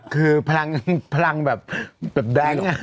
คือพลังแบบแบบแบ๊ง